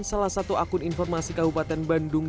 salah satu akun informasi kabupaten bandung